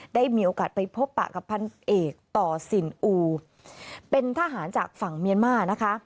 ได้มีโอกาสไปพบปะกับพันเอกต่อสินอูเป็นทหารจากฝั่งเมียนมานะคะ